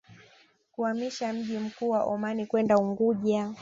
Kuhamisha mji mkuu wa Omani kwenda Unguja